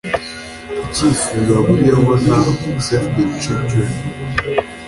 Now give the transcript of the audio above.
ikifuzo ahuriyeho na Save the Children